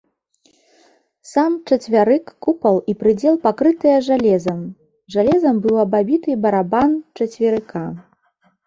Сам чацвярык, купал і прыдзел пакрытыя жалезам, жалезам быў абабіты і барабан чацверыка.